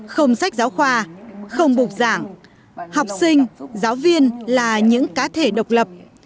không sách giáo khoa không bục giảng học sinh giáo viên là những cá thể độc lập